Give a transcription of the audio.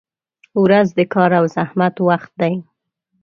• ورځ د کار او زحمت وخت دی.